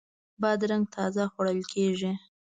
بادرنګ تازه خوړل کیږي.